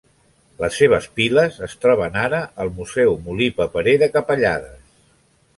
Les seves piles es troben ara al Museu Molí Paperer de Capellades.